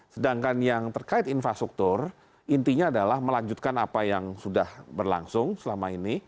sedangkan yang terkait infrastruktur intinya adalah melanjutkan apa yang sudah berlangsung selama ini